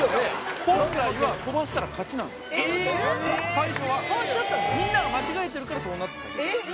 最初はみんなが間違えてるからそうなっただけでえっ！？